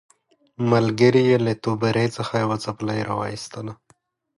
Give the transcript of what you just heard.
ملګري یې له توبرې څخه یوه څپلۍ راوایستله.